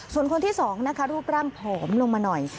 ส่วนคนที่สองนะคะรูปร่างผอมลงมาหน่อย